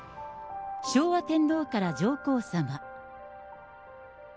昭和天皇から上皇さま。